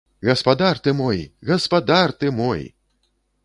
Гаспадар ты мой, гаспадар ты мой!